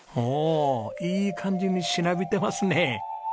おおいい感じにしなびてますね。